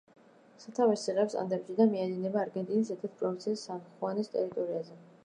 სათავეს იღებს ანდებში და მიედინება არგენტინის ერთ-ერთ პროვინცია სან-ხუანის ტერიტორიაზე.